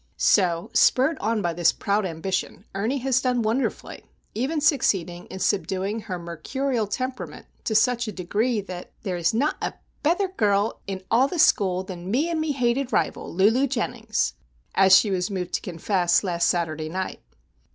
So, spurred on by this proud ambition, Ernie has done wonderfully:—even succeeding in subduing her mercurial temperament to such a degree that "there is not a betther gur rul in all the school than me an' me hated rival, Lulu Jennings," as she was moved to confess last Saturday night.